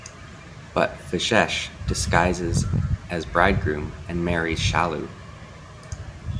But Vishesh disguises as bridegroom and marries Shalu.